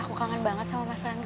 aku kangen banget sama mas rangga